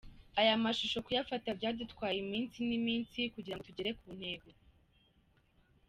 Aya mashusho kuyafata byadutwaye iminsi n’iminsi kugira ngo tugere ku ntego”.